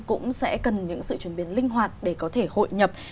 cũng sẽ cần những sự chuyển biến linh hoạt để có thể hội nhập